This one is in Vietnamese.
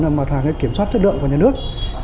là mặt hàng kiểm soát chất lượng của nhà nước